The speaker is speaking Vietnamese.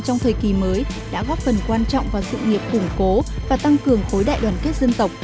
trong thời kỳ mới đã góp phần quan trọng vào sự nghiệp củng cố và tăng cường khối đại đoàn kết dân tộc